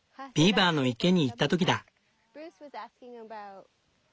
ビーバーの池に行った時だ。